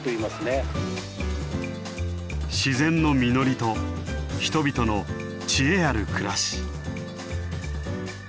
自然の「実り」と人々の「知恵ある暮らし」。